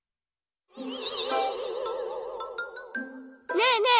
ねえねえ